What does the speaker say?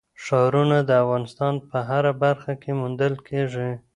ښارونه د افغانستان په هره برخه کې موندل کېږي.